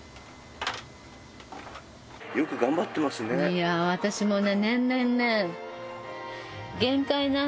いや私もね。